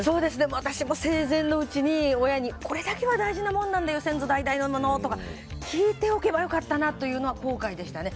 私も生前のうちに親に、これだけは先祖代々の大事なものなんだよというのを聞いておけばよかったなというのは後悔でしたね。